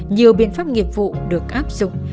nhiều biện pháp nghiệp vụ được áp dụng